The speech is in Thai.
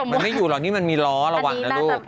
มันไม่อยู่หรอกนี่มันมีล้อระวังนะลูก